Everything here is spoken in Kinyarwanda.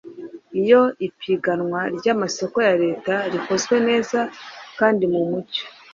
Iyo ipiganwa ry’amasoko ya Leta rikozwe neza kandi mu mucyo,